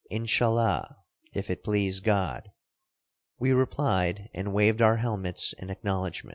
"Inshallah" ("If it please God"), we replied, and waved our helmets in acknowledgment.